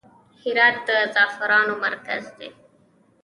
هرات د زعفرانو مرکز دی